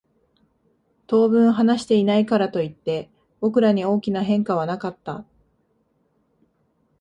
当分話していないからといって、僕らに大きな変化はなかった。